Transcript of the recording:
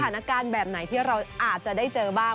แบบไหนที่เราอาจจะได้เจอบ้าง